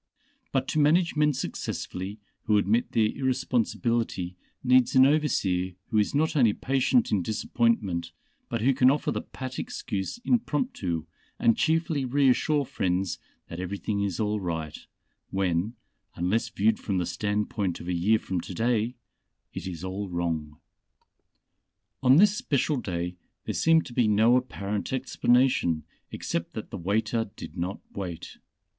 But to manage men successfully who admit their irresponsibility needs an overseer who is not only patient in disappointment, but who can offer the pat excuse impromptu, and cheerfully reassure friends that everything is all right, when unless viewed from the standpoint of a year from to day it is all wrong. On this special day there seemed to be no apparent explanation except that the waiter did not wait.